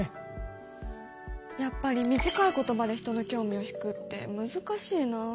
やっぱり短いことばで人の興味をひくって難しいなあ。